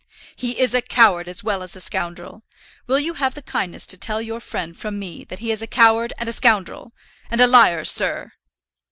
"He is a coward as well as a scoundrel. Will you have the kindness to tell your friend from me that he is a coward and a scoundrel, and a liar, sir."